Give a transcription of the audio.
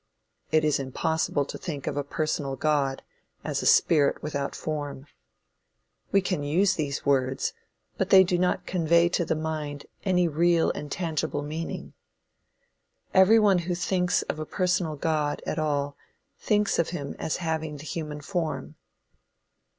It is impossible to think of a personal God as a spirit without form. We can use these words, but they do not convey to the mind any real and tangible meaning. Every one who thinks of a personal God at all, thinks of him as having the human form.